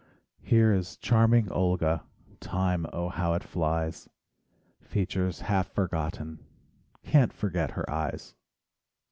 Here is charming Olga, Time, oh, how it flies— Features half forgotten, Can't forget her eyes.